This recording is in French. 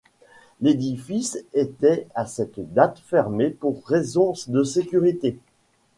L'édifice était à cette date fermé pour raisons de sécurité.